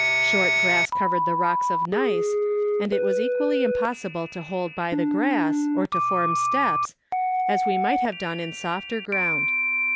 Short grass covered the rocks of gneiss, and it was equally impossible to hold by the grass, or to form steps, as we might have done in softer ground.